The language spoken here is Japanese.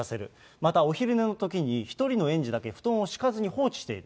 またお昼寝のときに、１人の園児だけ布団を敷かずに放置している。